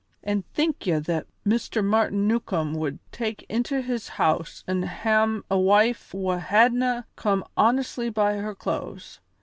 An' think ye that Mr. Martin Newcombe would tak' into his house an' hame a wife wha hadna come honestly by her clothes!